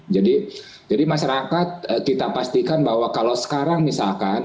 jadi masyarakat kita pastikan bahwa kalau sekarang misalkan